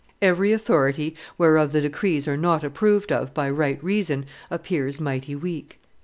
Every authority whereof the decrees are not approved of by right reason appears mighty weak."